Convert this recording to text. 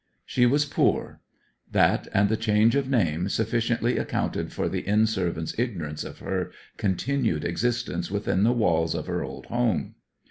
She was poor. That, and the change of name, sufficiently accounted for the inn servant's ignorance of her continued existence within the walls of her old home.